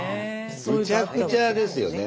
むちゃくちゃですよね。